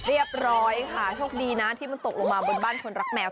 เรียบร้อยค่ะโชคดีนะที่มันตกลงมาบนบ้านคนรักแมว